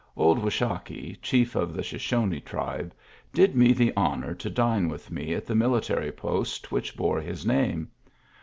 Old Washakie, chief of the Shoshone tribe, did me the honor to dine with me at the military post which bore his name.